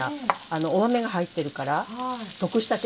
お豆が入ってるから得したケーキ。